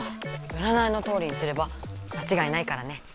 うらないのとおりにすればまちがいないからね。